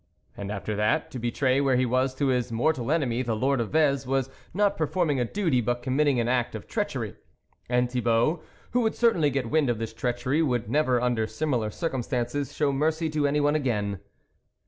And after that, to betray where he was to his mortal enemy, the Lord of Vez, was not perform ing a duty, but committing an act of treachery ; and Thibault, who would certainly get wind of this treachery, would never under similar circumstances show mercy to any one again.